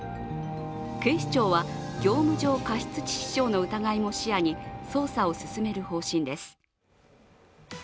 警視庁は業務上過失致傷の疑いも視野に捜査を進める方針です。